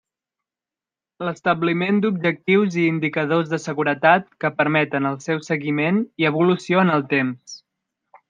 L'establiment d'objectius i indicadors de seguretat que permeten el seu seguiment i evolució en el temps.